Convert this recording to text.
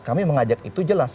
kami mengajak itu jelas